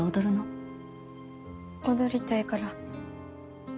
踊りたいから。